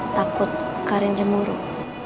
takut karin jemuruh